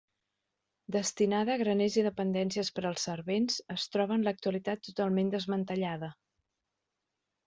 Destinada a graners i dependències per als servents, es troba en l'actualitat totalment desmantellada.